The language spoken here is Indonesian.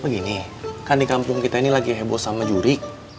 begini kan di kampung kita ini lagi heboh sama juri